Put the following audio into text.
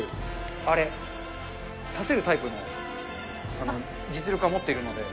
あれ、させるタイプの実力は持っているので。